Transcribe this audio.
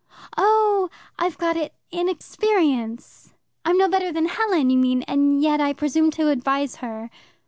"Oh, I've got it inexperience. I'm no better than Helen, you mean, and yet I presume to advise her."